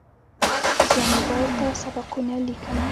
زه موبایل ته سبقونه لیکم.